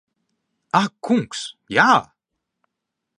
Ak kungs, jā!